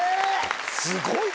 すごい。